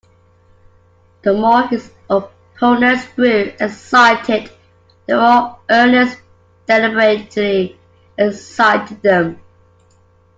The more his opponents grew excited, the more Ernest deliberately excited them.